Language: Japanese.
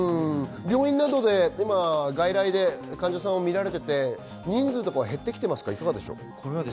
病院などで外来で患者さんを見られていて、人数は減って来ていますか。